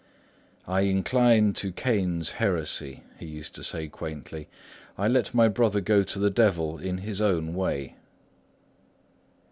"I incline to Cain's heresy," he used to say quaintly: "I let my brother go to the devil in his own way."